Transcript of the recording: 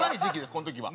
この時は。